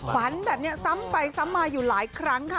ฝันแบบนี้ซ้ำไปซ้ำมาอยู่หลายครั้งค่ะ